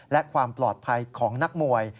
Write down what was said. และความปลอดภัยของนักมวย